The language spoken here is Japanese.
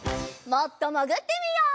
もっともぐってみよう。